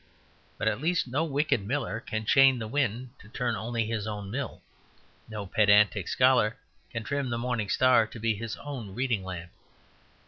But at least no wicked miller can chain the wind to turn only his own mill; no pedantic scholar can trim the morning star to be his own reading lamp.